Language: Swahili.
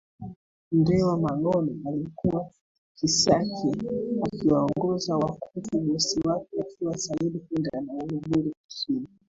Mndewa Magona aliyekuwa Kisaki akiwaongoza Wakutu bosi wake akiwa Sayyid Hega wa Uluguru Kusini